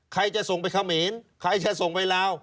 ใครจะส่งไปเขมรใครจะส่งไปลาว